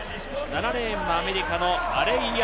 ７レーンはアメリカのアレイア・